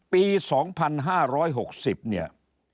ปี๒๕๖๐เนี่ย